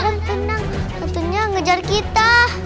adam tenang hantunya ngejar kita